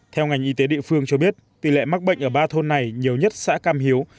theo ngành y tế địa phương cho biết tỷ lệ mắc bệnh ở ba thôn này nhiều nhất xã cam hiếu